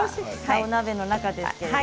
お鍋の中ですけれども。